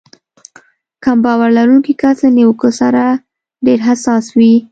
کم باور لرونکی کس له نيوکې سره ډېر حساس وي.